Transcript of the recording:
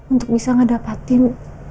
untuk bisa ngedapatin